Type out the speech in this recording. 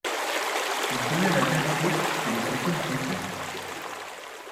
Il tenait la tête haute et les sourcils froncés.